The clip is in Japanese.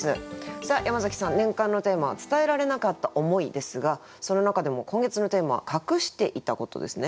さあ山崎さん年間のテーマは「伝えられなかった思い」ですがその中でも今月のテーマは「隠していたこと」ですね。